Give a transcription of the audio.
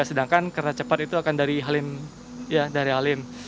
sedangkan kereta cepat itu akan dari halim